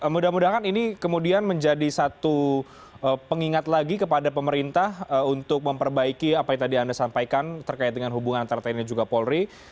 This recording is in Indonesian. mudah mudahan ini kemudian menjadi satu pengingat lagi kepada pemerintah untuk memperbaiki apa yang tadi anda sampaikan terkait dengan hubungan antara tni dan juga polri